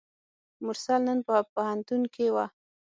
مرسل نن په پوهنتون کې وه.